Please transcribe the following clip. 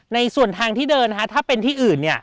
ในส่วนทางที่เดินถ้าเป็นที่อื่น